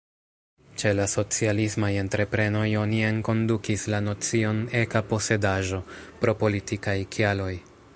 Ĉe la socialismaj entreprenoj oni enkondukis la nocion „eka posedaĵo” pro politikaj kialoj.